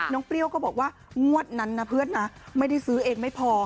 เปรี้ยวก็บอกว่างวดนั้นนะเพื่อนนะไม่ได้ซื้อเองไม่พอ